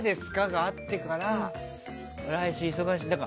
があってから来週、忙しい。